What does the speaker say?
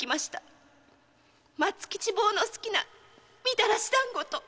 〔松吉坊の好きなみたらし団子と！〕